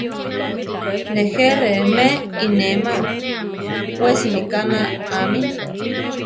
Nejé remé inéma, we simíka naámi.